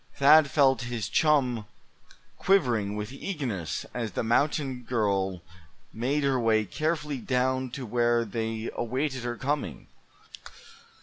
Thad felt his chum quivering with eagerness as the mountain girl made her way carefully down to where they awaited her coming.